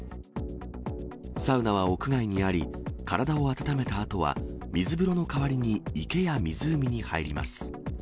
サウナは屋外にあり、体を温めたあとは、水風呂の代わりに池や湖に入ります。